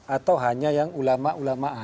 atau hanya yang ulama ulama